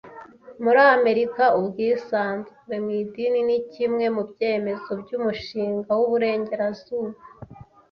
Muri Amerika, ubwisanzure mu idini ni kimwe mu byemezo by’umushinga w’uburenganzira.